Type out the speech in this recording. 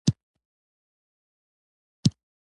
• صداقت د ښېګڼې سرچینه ده.